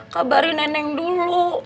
kabarin neneng dulu